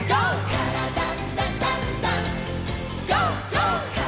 「からだダンダンダン」